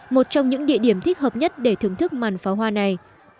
một trong những địa điểm thích hợp nhất để thưởng thức màn pháo hoa này